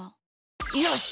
よし！